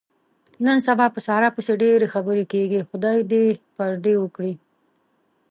نن سبا په ساره پسې ډېرې خبرې کېږي. خدای یې دې پردې و کړي.